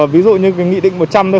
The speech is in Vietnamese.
ví dụ như cái nghị định một trăm linh thôi